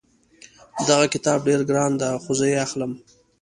دغه کتاب ډېر ګران ده خو زه یې اخلم